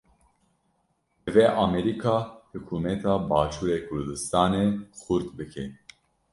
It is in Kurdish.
Divê Amerîka hikûmeta başûrê Kurdistanê xurt bike.